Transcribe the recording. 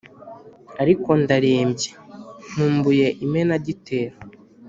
Ariko ndarembye, nkumbuye Imenagitero